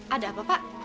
ada apa pak